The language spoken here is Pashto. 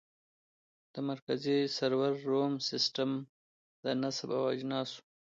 د مرکزي سرور روم سیسټم د نصب او اجناسو